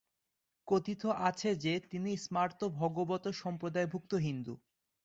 কথিত আছে যে তিনি ছিলেন স্মার্ত ভাগবত সম্প্রদায়ভুক্ত হিন্দু।